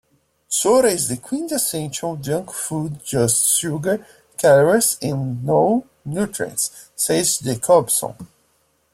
"Soda is the quintessential junk food-just sugar calories and no nutrients," says Jacobson.